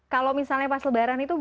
kalau misalnya pas lebaran itu